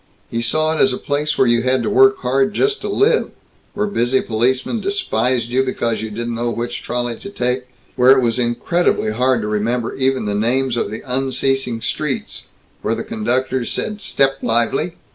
He saw it as a place where you had to work hard just to live; where busy policemen despised you because you didn't know which trolley to take; where it was incredibly hard to remember even the names of the unceasing streets; where the conductors said "Step lively!"